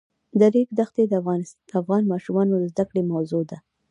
د ریګ دښتې د افغان ماشومانو د زده کړې موضوع ده.